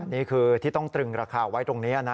นี่คือที่ต้องตรึงราคาไว้ตรงนี้นะ